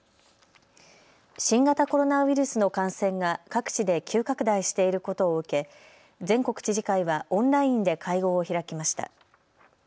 新型コロナウイルスの感染が各地で急拡大していることを受け全国知事会はオンラインで会合を開きました。